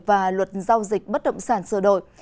và luật giao dịch bất động sản sửa đổi